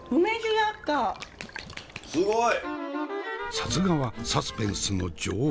さすがはサスペンスの女王。